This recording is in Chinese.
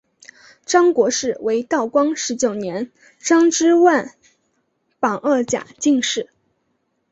张国士为道光十九年张之万榜二甲进士。